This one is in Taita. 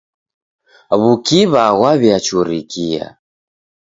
W'ukiw'a ghwawiachurikia.